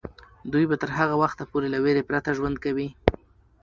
دوی به تر هغه وخته پورې له ویرې پرته ژوند کوي.